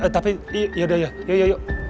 tapi yaudah yuk